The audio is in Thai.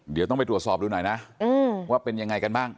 เดี๋ยวต้องไปตรวจสอบดูหน่อยนะว่าเป็นยังไงกันบ้าง